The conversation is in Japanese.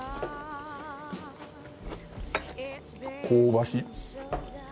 香ばしい。